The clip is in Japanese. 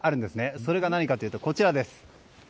それが何かというとこちらです。